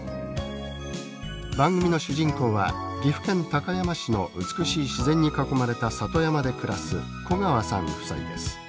番組の主人公は岐阜県高山市の美しい自然に囲まれた里山で暮らす古川さん夫妻です。